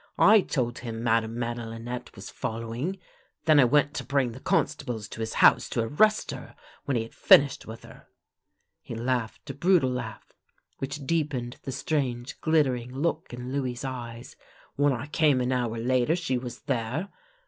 I told him Madame Madelinette was following. Then I went to bring the constables to his house to arrest her when he had finished with her." He laughed a brutal laugh, which deepened the strange, glittering look in Louis' eyes. " When I came an hour later she was there.